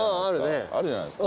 あるね。